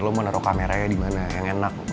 lo mau taruh kameranya dimana yang enak